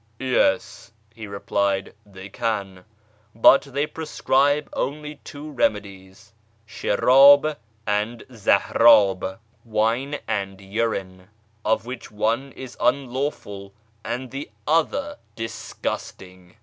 " Yes," he replied, " they can ; but they prescribe only two remedies, sliirctb and zahrc'ib} of which one is unlaw ful and the other disgusting."